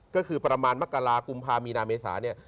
ก็คือประมาณมกรากุมภามีนาเมษาเนี่ย